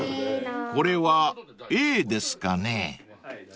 ［これはＡですかね？］